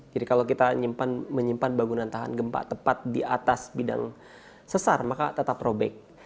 jadi kalau kita menyimpan bangunan tahan gempa tepat di atas bidang sesar maka tetap robek